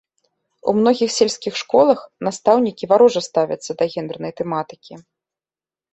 У многіх сельскіх школах настаўнікі варожа ставяцца да гендэрнай тэматыкі.